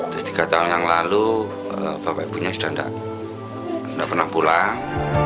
terus tiga tahun yang lalu bapak ibunya sudah tidak pernah pulang